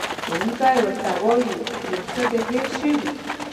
ښوونکی ورته وایي، یو څه دې هېر شوي.